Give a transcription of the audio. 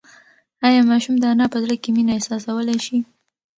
ایا ماشوم د انا په زړه کې مینه احساسولی شي؟